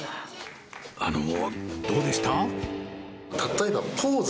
あのどうでした？